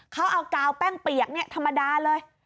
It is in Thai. เขาเอากาวแป้งเปียกธรรมดาเลย